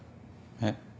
えっ。